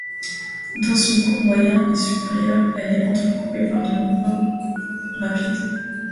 Dans son cours moyen et supérieur, elle est entrecoupée par de nombreux rapides.